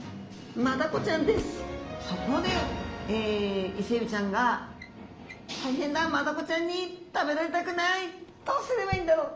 そこでイセエビちゃんが「大変だ！マダコちゃんに食べられたくない！どうすればいいんだろう！